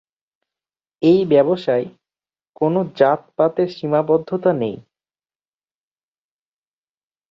এই ব্যবসায়, কোনো জাত-পাতের সীমাবদ্ধতা নেই।